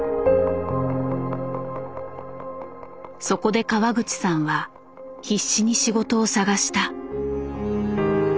そこで川口さんは必死に仕事を探した。